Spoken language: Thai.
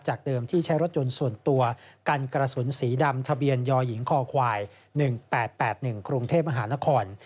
เดิมที่ใช้รถยนต์ส่วนตัวกันกระสุนสีดำทะเบียนยหญิงคอควาย๑๘๘๑กรุงเทพมหานคร